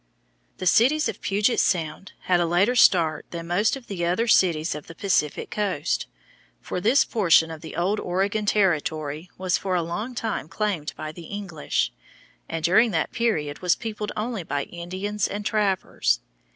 The cities of Puget Sound had a later start than most of the other cities of the Pacific coast, for this portion of the old Oregon territory was for a long time claimed by the English, and during that period was peopled only by Indians and trappers.